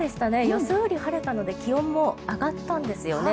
予想より晴れたので気温も上がったんですね。